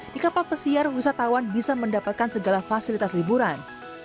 di kapal pesiar wisatawan bisa mendapatkan segala fasilitas liburan